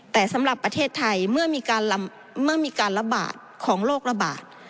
แต่สำหรับประเทศไทยเมื่อมีการระบาดของโรคระบาด